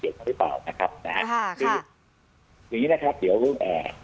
เกี่ยวของมันหรือเปล่านะครับคืออย่างนี้นะครับเดี๋ยวเรื่องแอร์